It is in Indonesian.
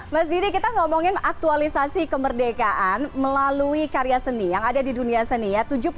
mas didi kita ngomongin aktualisasi kemerdekaan melalui karya seni yang ada di dunia seni ya